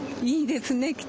いいですね。